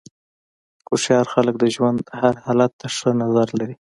هوښیار خلک د ژوند هر حالت ته ښه نظر لري.